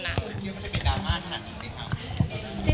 คิดว่ามันจะเป็นดราม่าขนาดนี้ไหมครับ